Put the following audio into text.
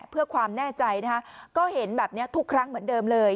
เพื่อความแน่ใจนะคะก็เห็นแบบนี้ทุกครั้งเหมือนเดิมเลย